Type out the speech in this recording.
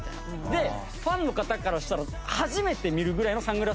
でファンの方からしたら。